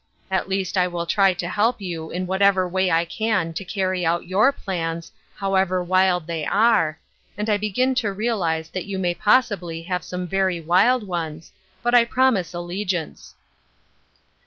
At least I will help you in whatever way I can to cany out your plans, however wild they are, and I begin to realize that you may possibly have some very wild ones, but I promise allegiance."